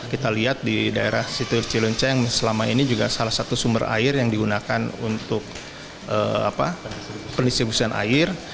kita lihat di daerah situ cilunca yang selama ini juga salah satu sumber air yang digunakan untuk pendistribusian air